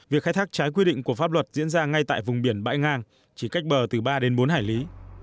việc khai thác trái quy định của pháp luật diễn ra ngay tại vùng biển bãi ngang chỉ cách bờ từ ba đến bốn hải lý